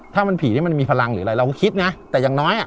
ถ้ามันผีนี่มันมีพลังหรืออะไรเราก็คิดนะแต่อย่างน้อยอ่ะ